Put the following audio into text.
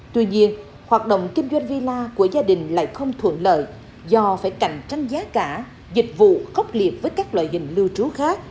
tuy nhiên hoạt động kinh doanh villa của gia đình lại không thuận lợi do phải cạnh tranh giá cả dịch vụ khốc liệt với các loại hình lưu trú khác